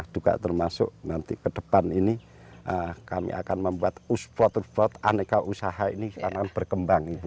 duga termasuk nanti kedepan ini kami akan membuat usprot usprot aneka usaha ini akan berkembang ibu